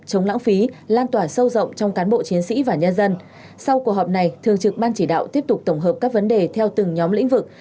chống lãng phí lan tỏa sâu rộng trong cán bộ chiến sĩ và nhân dân sau cuộc họp này thường trực ban chỉ đạo tiếp tục tổng hợp các vấn đề theo từng nhóm lĩnh vực